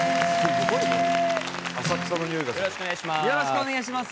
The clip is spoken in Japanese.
よろしくお願いします。